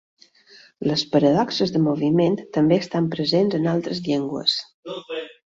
Les paradoxes de moviment també estan presents en altres llengües.